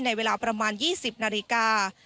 ในเวลาประมาณ๒๐นาฬิกา